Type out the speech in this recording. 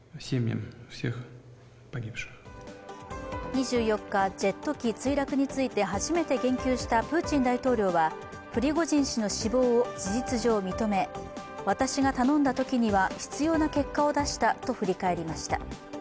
２４日、ジェット機墜落について初めて言及したプーチン大統領はプリゴジン氏の死亡を事実上認め、私が頼んだときには必要な結果を出したと振り返りました。